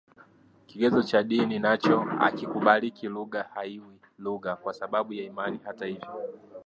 Kigezo cha dini nacho hakikubaliki lugha haiwi lugha kwa sababu ya imani Hata hivyo